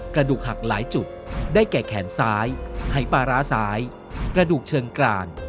กระดูกหักหลายจุดได้แก่แขนซ้ายหายปลาร้าซ้ายกระดูกเชิงกราน